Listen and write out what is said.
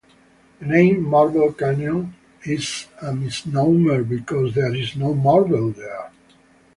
The name Marble Canyon is a misnomer because there is no marble there.